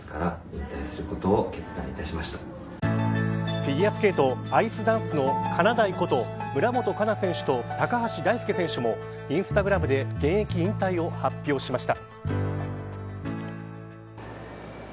フィギュアスケートアイスダンスのかなだいこと、村元哉中選手と高橋大輔選手もインスタグラムで現役引退を発表しました。